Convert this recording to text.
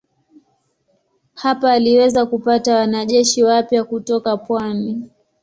Hapa aliweza kupata wanajeshi wapya kutoka pwani.